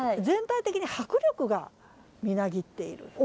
全体的に迫力がみなぎっている。